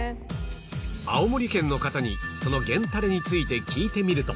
青森県の方にその源たれについて聞いてみると